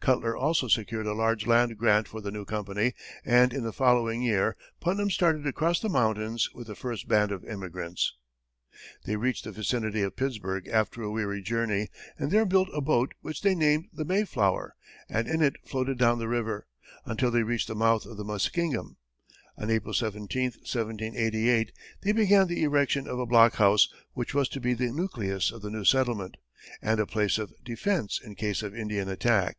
Cutler also secured a large land grant for the new company, and in the following year, Putnam started across the mountains with the first band of emigrants. They reached the vicinity of Pittsburg after a weary journey, and there built a boat which they named the Mayflower, and in it floated down the river, until they reached the mouth of the Muskingum. On April 17, 1788, they began the erection of a blockhouse, which was to be the nucleus of the new settlement, and a place of defense in case of Indian attack.